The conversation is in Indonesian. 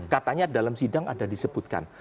katanya dalam sidang ada disebutkan